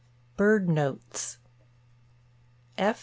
BIRD NOTES. F.